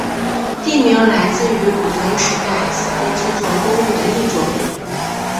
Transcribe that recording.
地名来自于古坟时代此地制作勾玉的玉作部。